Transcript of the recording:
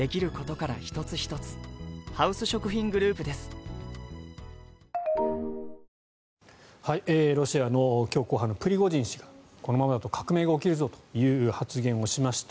このプリゴジン氏が言っているようにロシアの強硬派のプリゴジン氏がこのままだと革命が起きるぞという発言をしました。